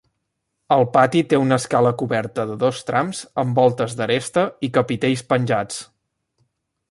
El pati té una escala coberta de dos trams amb voltes d'aresta i capitells penjats.